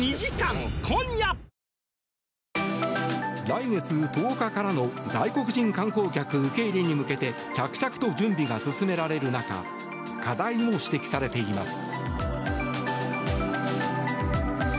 来月１０日からの外国人観光客受け入れに向けて着々と準備が進められる中課題も指摘されています。